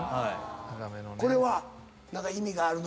これは何か意味があるの？